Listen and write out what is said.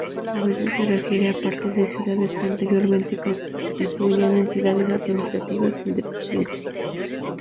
A veces se refiere a partes de ciudades que anteriormente constituían entidades administrativas independientes.